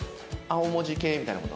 青文字系みたいな事？